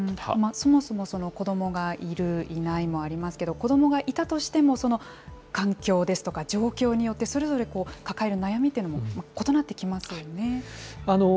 そもそも子どもがいる、いないもありますけれども、子どもがいたとしても、環境ですとか状況によって、それぞれ抱える悩みというのも異なってきますよね。